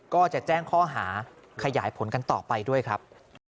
ก็จะแจ้งข้อหาขยายผลกันต่อไปด้วยครับ